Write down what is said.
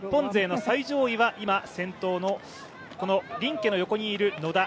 日本勢の最上位は今、先頭のリンケの横にいる野田。